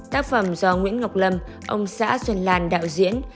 tác phẩm do nguyễn ngọc lâm ông xã xuân lan đạo diễn